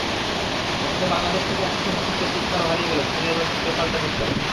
অথচ বাংলাদেশ থেকে আসা সমর্থকদের চিৎকারও হারিয়ে গেল স্থানীয় দর্শকদের পাল্টা চিৎকারে।